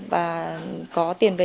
và có tiền về